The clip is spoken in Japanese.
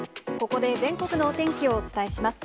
ここで全国のお天気をお伝えします。